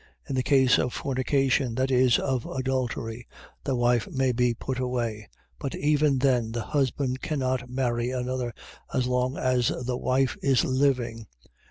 .In the case of fornication, that is, of adultery, the wife may be put away: but even then the husband cannot marry another as long as the wife is living.